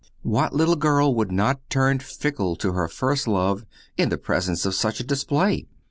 What little girl would not turn fickle to her first love in the presence of such a display?